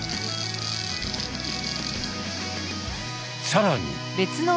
さらに！